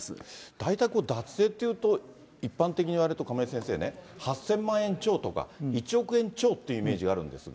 在宅で脱税というと、一般的に言われると、亀井先生ね、８０００万円超とか１億円超とかいう感覚がありますね。